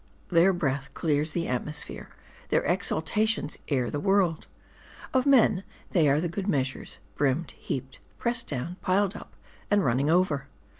Their breath clears the atmosphere : their ex halations air the world. Of men, they are the good meas ures ; brimmed, heaped, pressed down, piled up, and running over.